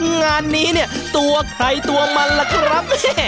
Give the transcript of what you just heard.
งานนี้ตัวใครตัวมันละครับ